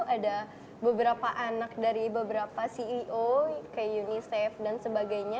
ada beberapa anak dari beberapa ceo kayak unicef dan sebagainya